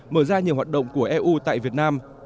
mở ra nhiều hoạt động của eu tại việt nam